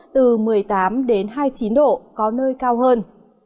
từ một mươi tám đến hai mươi chín độ có nơi cao hơn